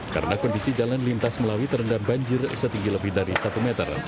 karena kondisi jalan lintas melawi terendam banjir setinggi lebih dari satu meter